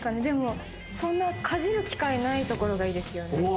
でもそんなかじる機会ないところがいいですよね。